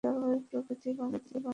বিশেষ অনিষ্ট হবে না।